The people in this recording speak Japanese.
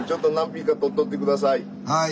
はい。